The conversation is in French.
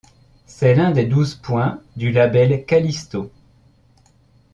C'est l'un des douze points du label Qualisto.